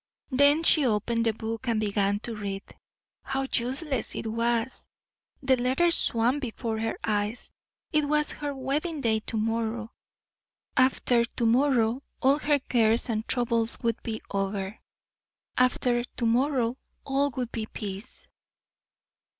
Then she opened the book and began to read. How useless it was the letters swam before her eyes. It was her wedding day to morrow; after to morrow all her cares and troubles would be over; after to morrow all would be peace.